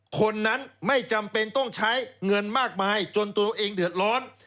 คนนั้นไม่จำเป็นต้องใช้เงินมากมายจนตัวเราเองเดือดร้อน